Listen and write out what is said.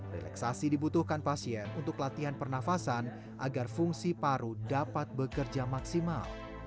relaksasi dibutuhkan pasien untuk latihan pernafasan agar fungsi paru dapat bekerja maksimal